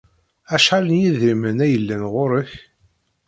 Acḥal n yedrimen ay yellan ɣur-k?